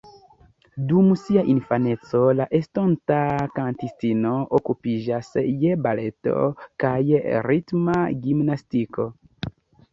Dum sia infaneco la estonta kantistino okupiĝas je baleto kaj ritma gimnastiko.